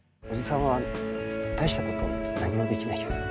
おじさんは大した事何もできないけど。